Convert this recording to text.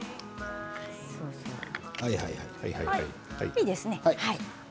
いいですね。